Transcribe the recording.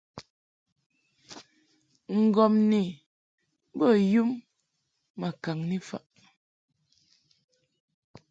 Ŋgɔmni bə yum ma kaŋni faʼ.